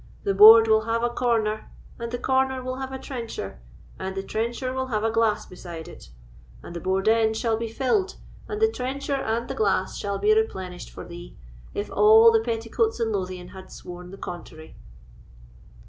The board will have a corner, and the corner will have a trencher, and the trencher will have a glass beside it; and the board end shall be filled, and the trencher and the glass shall be replenished for thee, if all the petticoats in Lothian had sworn the contrary.